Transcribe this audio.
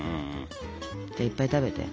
じゃあいっぱい食べて。